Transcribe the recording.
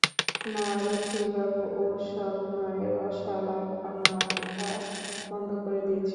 না, রসিকবাবু, ও-সব নয়, রসালাপ আমরা বন্ধ করে দিয়েছি।